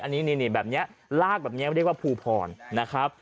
อันนี้แบบนี้ลากแบบนี้เรียกว่าภูพรนะครับ